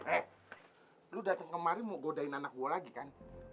eh lo datang kemari mau godain anak gue lagi kan